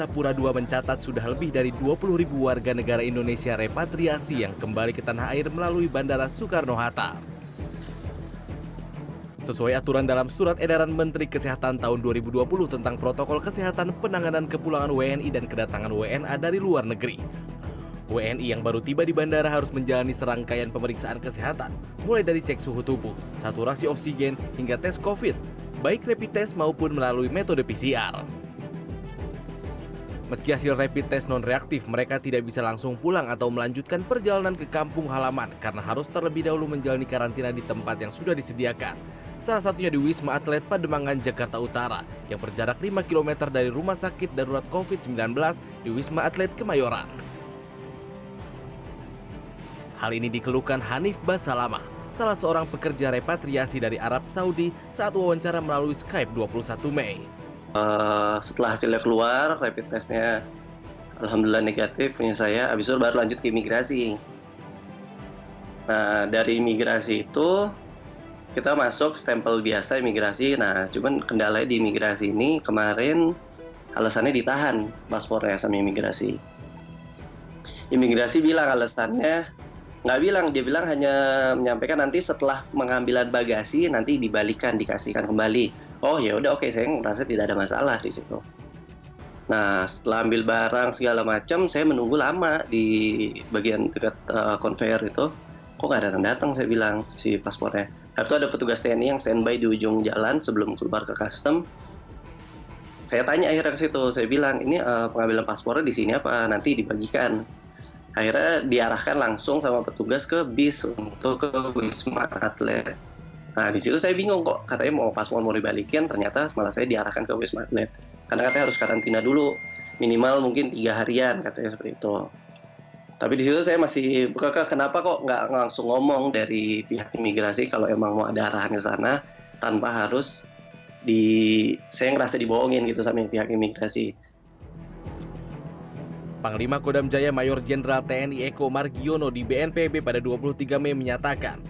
panglima kodam jaya mayor jenderal tni eko margiono di bnpb pada dua puluh tiga mei menyatakan